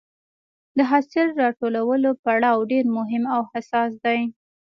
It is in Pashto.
د حاصل راټولولو پړاو ډېر مهم او حساس دی.